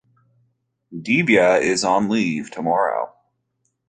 Divya is on leave tomorrow.